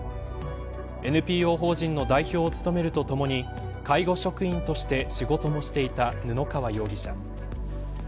ＮＰＯ法人の代表を務めるとともに介護職員として仕事もしていた布川容疑者。